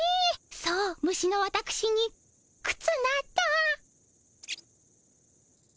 そう虫のわたくしにくつなど。